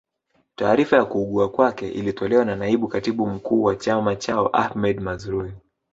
Taarifa ya kuugua kwake ilitolewa na naibu katibu mkuu wa chama chao Ahmed Mazrui